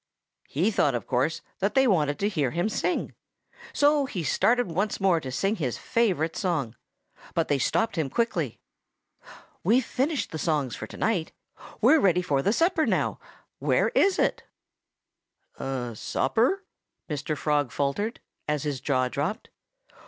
He thought, of course, that they wanted to hear him sing. So he started once more to sing his favorite song. But they stopped him quickly. "We've finished the songs for to night," they told him. "We're ready for the supper now. ... Where is it?" "Supper?" Mr. Frog faltered, as his jaw dropped.